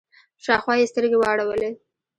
شاوخوا يې سترګې واړولې.